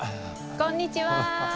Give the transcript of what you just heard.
こんにちは。